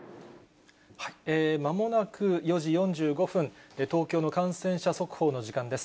まもなく４時４５分、東京の感染者速報の時間です。